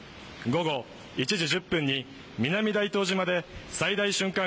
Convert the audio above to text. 午後１時１０分に南大東島で最大瞬間